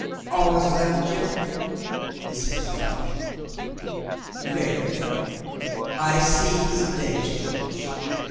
"All is well, Jerry?" he said softly. "Very well. ... I see good days, George.